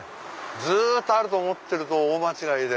ずっとあると思ってると大間違いで。